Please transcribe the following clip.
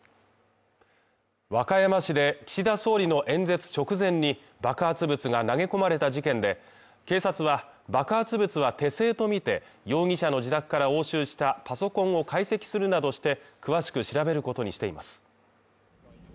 和歌山市で岸田総理の演説直前に爆発物が投げ込まれた事件で警察は、爆発物は手製とみて、容疑者の自宅から押収したパソコンを解析するなどして、詳しく調べることにしています。